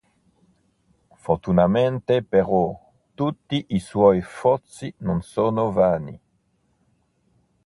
Fortunatamente, però, tutti i suoi sforzi non sono vani.